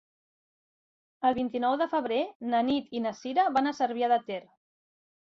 El vint-i-nou de febrer na Nit i na Cira van a Cervià de Ter.